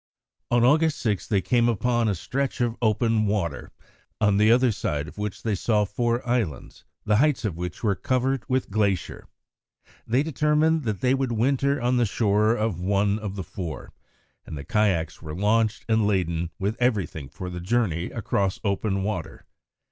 On August 6 they came upon a stretch of open water, on the other side of which they saw four islands, the heights of which were covered with glacier. They determined that they would winter on the shore of one of the four, and the kayaks were launched and laden with everything for the journey across the open water.